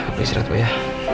bisa beristirahat ya